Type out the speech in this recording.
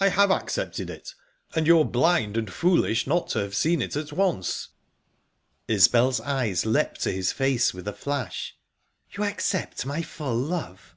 "I have accepted it, and you're blind and foolish not to have seen it at once." Isbel's eyes leapt to his face with a flash. "You accept my full love?"